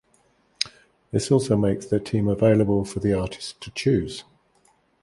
This also makes their team available for the artist to choose.